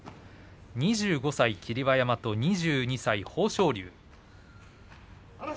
２５歳霧馬山と２２歳豊昇龍。